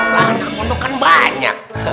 lahan kekondokan banyak